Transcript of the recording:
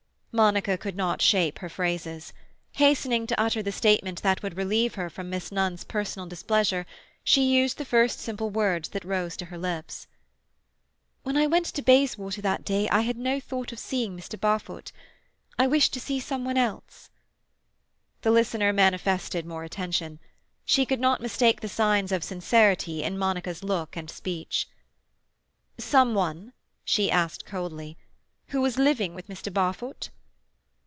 Monica could not shape her phrases. Hastening to utter the statement that would relieve her from Miss Nunn's personal displeasure, she used the first simple words that rose to her lips. "When I went to Bayswater that day I had no thought of seeing Mr. Barfoot. I wished to see someone else." The listener manifested more attention. She could not mistake the signs of sincerity in Monica's look and speech. "Some one," she asked coldly, "who was living with Mr. Barfoot?"